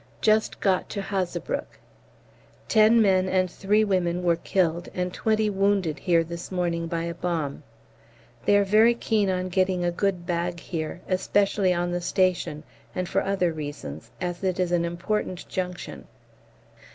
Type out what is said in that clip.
Just got to Hazebrouck. Ten men and three women were killed and twenty wounded here this morning by a bomb. They are very keen on getting a good bag here, especially on the station, and for other reasons, as it is an important junction.